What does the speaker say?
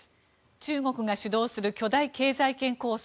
中国が主導する巨大経済圏構想